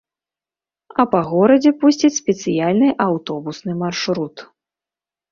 А па горадзе пусцяць спецыяльны аўтобусны маршрут.